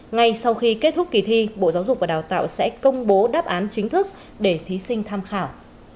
ngay sau khi kết thúc kỳ thi bộ giáo dục và đào tạo sẽ công bố đáp án chính thức để thí sinh tham khảo